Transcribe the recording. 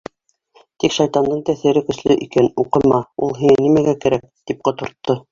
Тик шайтандың тәьҫире көслө икән: уҡыма, ул һиңә нимәгә кәрәк, тип ҡотортто.